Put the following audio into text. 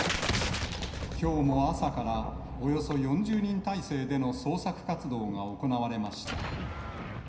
きょうも朝から、およそ４０人態勢での捜索活動が行われました。